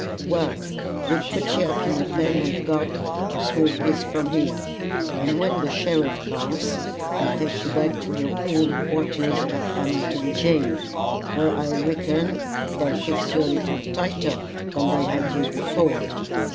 "Well, we'll put you up in a pen we've got a small piece from here; and when the sheriff comes, he'll take you back to your old quarters at Hamilton jail, where I reckon they'll fix you a little tighter than they had you before.